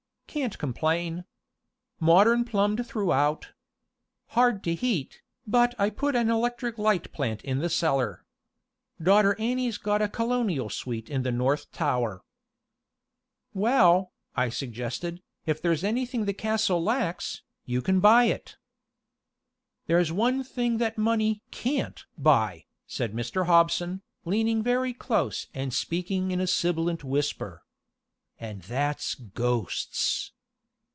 "Can't complain. Modern plumbed throughout. Hard to heat, but I put an electric light plant in the cellar. Daughter Annie's got a Colonial suite in the North Tower." "Well," I suggested, "if there's anything the castle lacks, you can buy it." "There's one thing money can't buy," said Mr. Hobson, leaning very close and speaking in a sibilant whisper. "And that's ghosts!"